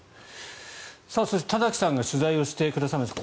そして、田崎さんが取材してくださいました